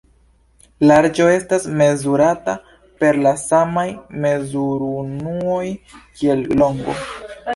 Larĝo estas mezurata per la samaj mezurunuoj kiel longo.